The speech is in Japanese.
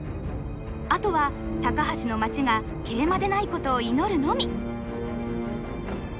あとは高橋の待ちが桂馬でないことを祈るのみ。